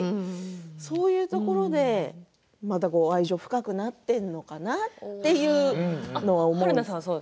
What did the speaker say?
そういうところでまた愛情が深くなっているのかなっていうのは思う。